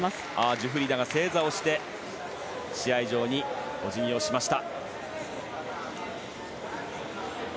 ジュフリダが正座をして試合場にお辞儀をしました。